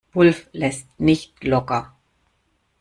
Wulff lässt nicht locker.